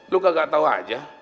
lu gak tau aja